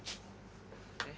baik baik baik